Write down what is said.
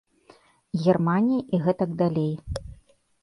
Германіі і гэтак далей.